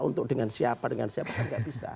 untuk dengan siapa enggak bisa